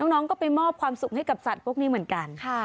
น้องก็ไปมอบความสุขให้กับสัตว์พวกนี้เหมือนกัน